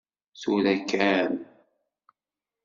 Tura kan!